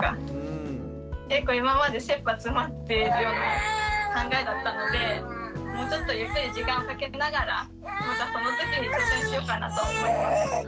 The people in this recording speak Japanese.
結構今までせっぱ詰まってるような考えだったのでもうちょっとゆっくり時間をかけながらまたそのときに挑戦しようかなと思いました。